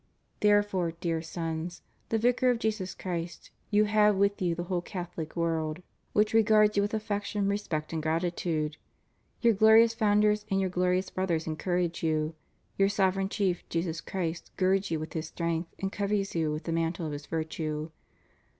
Therefore, dear Sons, strengthen yourselves in the Lord. You have with you the Vicar of Jesus Christ; you have with you the whole Catholic world, which regards you with affection, respect, and gratitude. Your glorious founders and your glorious brothers encourage you. Your Sovereign Chief, Jesus Christ, girds you with His strength and covers you with the mantle of His virtue.